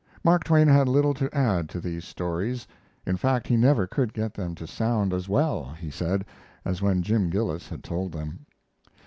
Mark Twain had little to add to these stories; in fact, he never could get them to sound as well, he said, as when Jim Gillis had told them.